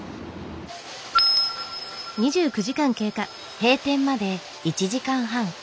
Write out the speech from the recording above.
閉店まで１時間半。